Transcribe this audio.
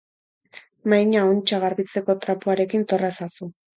Mahaina ontsa garbitzeko trapuarekin torra ezazu.